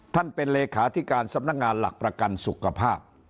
ท่านเป็นเลขาธิการสำนักงานหลักประกันสุขภาพ